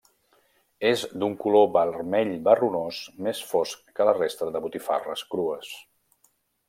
És d'un color vermell-marronós, més fosc que la resta de botifarres crues.